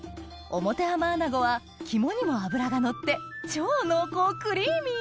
表浜アナゴは肝にも脂がのって超濃厚クリーミー